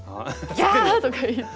ギャーとか言って。